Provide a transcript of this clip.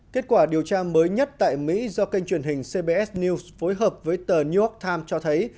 kết quả điều tra mới nhất tại mỹ do kênh truyền hình cbs news phối hợp với tờ new york times cho thấy